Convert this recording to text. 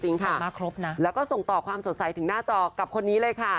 มาครบนะแล้วก็ส่งต่อความสดใสถึงหน้าจอกับคนนี้เลยค่ะ